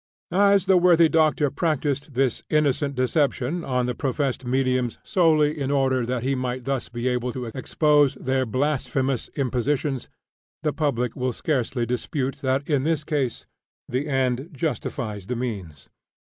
As the worthy doctor practiced this innocent deception on the professed mediums solely in order that he might thus be able to expose their blasphemous impositions, the public will scarcely dispute that in this case the end justified the means.